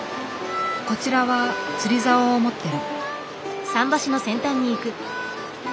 こちらは釣りざおを持ってる。